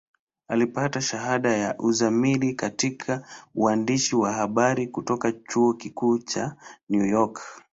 Alipata shahada ya uzamili katika uandishi wa habari kutoka Chuo Kikuu cha New York.